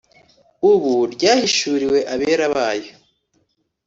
Ubu ryahishuriwe abera bayo